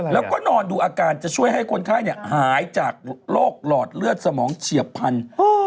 แล้วก็นอนดูอาการจะช่วยให้คนไข้หายจากโรคหลอดเลือดสมองเฉียบพันธุ์